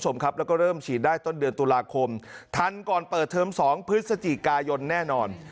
คุณผู้ชมครับแล้วก็เริ่มฉีดได้ต้นเดือนตุลาคมทันก่อนเปิดเทอม๒พฤศจิกายนแน่นอน